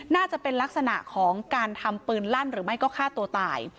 น่าจะเป็นลักษณะของการทำปืนลั่นหรือไม่ก็ฆ่าตัวตาย